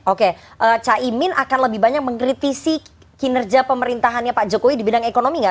oke caimin akan lebih banyak mengkritisi kinerja pemerintahannya pak jokowi di bidang ekonomi nggak